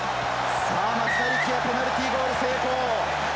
さあ、松田力也、ペナルティーゴール成功。